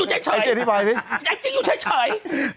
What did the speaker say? อักฟิกอยู่เฉย